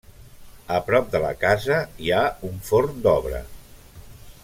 A prop de la casa hi ha un forn d'obra.